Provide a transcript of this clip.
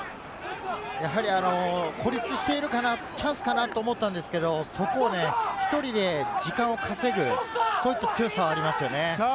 孤立してるかな、チャンスかなと思ったんですけれど、そこを１人で時間を稼ぐ、そういった強さがありますよね。